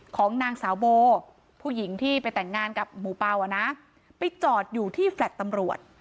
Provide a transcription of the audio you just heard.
ของนางสาวโบผู้หญิงที่ไปแต่งงานกับหมู่เปล่าอ่ะนะไปจอดอยู่ที่แฟลต์ตำรวจ